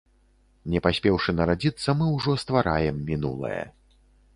Не паспеўшы нарадзіцца, мы ўжо ствараем мінулае.